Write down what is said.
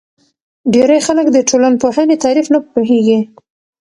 ډېری خلک د ټولنپوهنې تعریف نه پوهیږي.